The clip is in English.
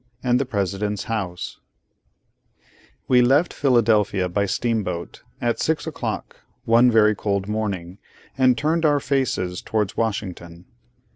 AND THE PRESIDENT'S HOUSE WE left Philadelphia by steamboat, at six o'clock one very cold morning, and turned our faces towards Washington.